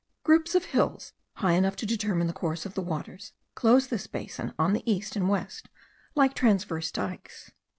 Groups of hills, high enough to determine the course of the waters, close this basin on the east and west like transverse dykes.